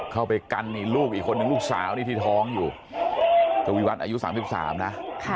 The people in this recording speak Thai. เข้าไปกันนี่ลูกอีกคนนึงลูกสาวนี่ที่ท้องอยู่ทวีวัฒน์อายุ๓๓นะ